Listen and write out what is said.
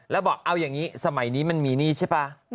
แล้วบอกเอาอย่างนี้สมัยนี้มันมีหนี้ใช่ป่ะ